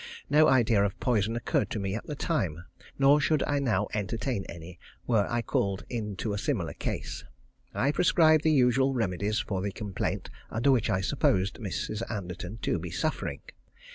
No idea of poison occurred to me at the time, nor should I now entertain any were I called in to a similar case. I prescribed the usual remedies for the complaint under which I supposed Mrs. Anderton to be suffering.